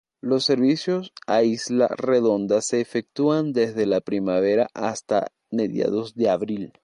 Los servicios a isla Redonda se efectúan desde la primavera hasta mediados de abril.